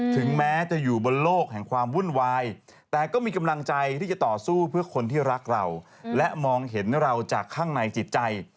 ถึงแม้จะอยู่บนโลกแห่งความวุ่นวายแต่ก็มีกำลังใจที่จะต่อสู้เพื่อคนที่รักเราและมองเห็นเราจากข้างในจิตใจ